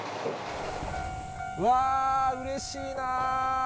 うわー、うれしいな。